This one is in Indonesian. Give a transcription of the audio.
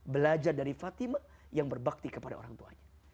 belajar dari fatimah yang berbakti kepada orang tuanya